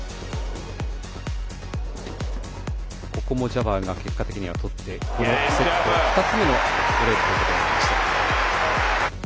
ここもジャバーが結果的に取ってこのセット２つ目のブレークとなりました。